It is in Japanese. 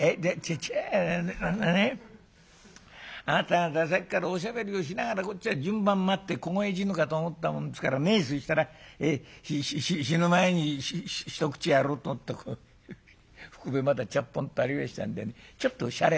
「あなた方さっきからおしゃべりをしながらこっちは順番待って凍え死ぬかと思ったもんですからねそしたら死ぬ前に一口やろうと思ったらふくべまだちゃっぽんとありましたんでねちょっとしゃれ」。